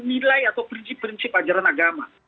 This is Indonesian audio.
nilai atau prinsip prinsip ajaran agama